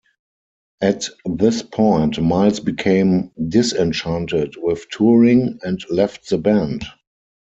At this point Miles became disenchanted with touring and left the band.